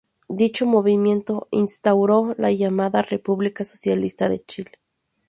Dicho movimiento instauró la llamada República Socialista de Chile.